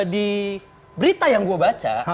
di berita yang gue baca